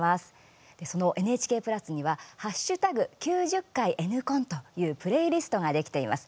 そのＮＨＫプラスには＃９０回Ｎコンというプレーリストができています。